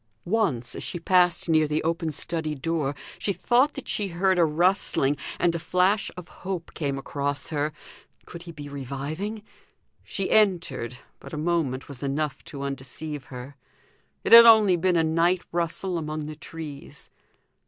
Once, as she passed near the open study door, she thought that she heard a rustling, and a flash of hope came across her. Could he be reviving? She entered, but a moment was enough to undeceive her; it had only been a night rustle among the trees.